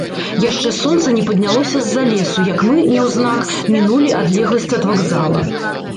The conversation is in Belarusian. Яшчэ сонца не паднялося з-за лесу, як мы няўзнак мінулі адлегласць ад вакзала.